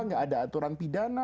gak ada aturan pidana